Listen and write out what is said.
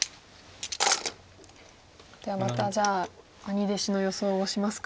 ではまたじゃあ兄弟子の予想をしますか。